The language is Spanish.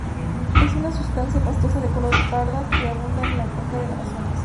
Es una sustancia pastosa de color parda que abunda en la cuenca del Amazonas.